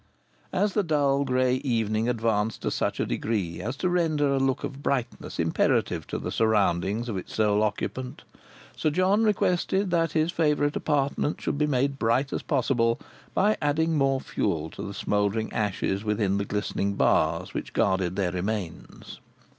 As the dull, grey evening advanced to such a degree as to render a look of brightness imperative to the surroundings of its sole occupant, Sir John requested that his favourite apartment should be made bright as possible by adding more fuel to the smouldering ashes within the glistening bars which guarded their remains.